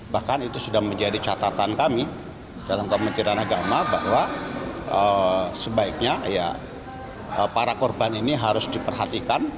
bahkan itu sudah menjadi catatan kami dalam kementerian agama bahwa sebaiknya para korban ini harus diperhatikan